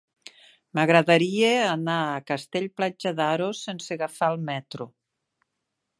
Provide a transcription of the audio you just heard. M'agradaria anar a Castell-Platja d'Aro sense agafar el metro.